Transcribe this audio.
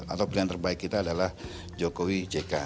atau pilihan terbaik kita adalah jokowi jk